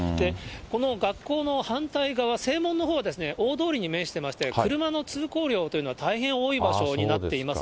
この学校の反対側、正門のほうは、大通りに面してまして、車の通行量というのは、大変多い場所になっています。